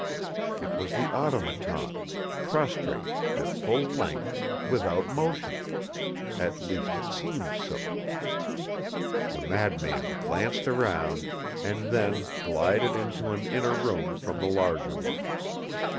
It was the Automaton, prostrate, at full length, without motion. At least it seemed so. The madman glanced around, and then glided into an inner room from the larger one.